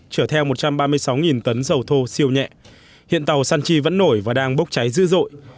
chở theo một trăm ba mươi sáu tấn dầu thô siêu nhẹ hiện tàu san chi vẫn nổi và đang bốc cháy dữ dội